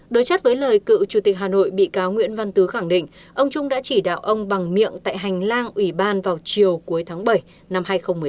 đối chát với lời cựu chủ tịch hà nội bị cáo nguyễn văn tứ khẳng định ông trung đã chỉ đạo ông bằng miệng tại hành lang ủy ban vào chiều cuối tháng bảy năm hai nghìn một mươi tám